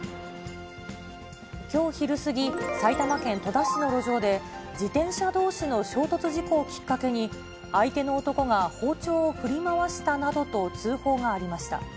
きょう昼過ぎ、埼玉県戸田市の路上で、自転車どうしの衝突事故をきっかけに、相手の男が包丁を振り回したなどと通報がありました。